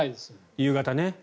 夕方ね。